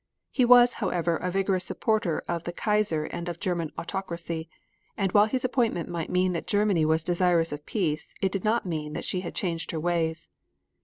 He was, however, a vigorous supporter of the Kaiser and of German autocracy, and while his appointment might mean that Germany was desirous of peace it did not mean that she had changed her ways.